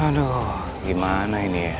aduh gimana ini ya